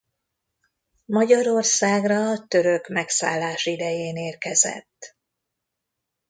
Magyarországra a török megszállás idején érkezett.